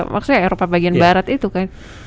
maksudnya eropa bagian barat itu kan